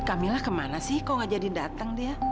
si kamila kemana sih kok nggak jadi datang dia